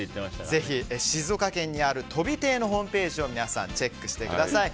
ぜひ、静岡県にある飛亭のホームページを皆さん、チェックしてください。